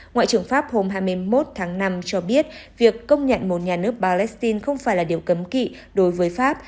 ngoại trưởng pháp hôm hai mươi một tháng năm cho biết việc công nhận một nhà nước palestine không phải là điều cấm kỵ đối với pháp